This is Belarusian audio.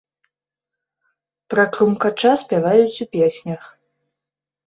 Пра крумкача спяваюць у песнях.